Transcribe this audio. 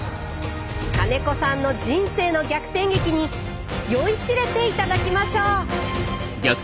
金子さんの人生の逆転劇に酔いしれて頂きましょう！